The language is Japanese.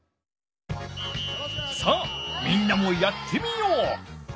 さあみんなもやってみよう！